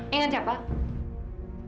aku udah nggak tahan di sini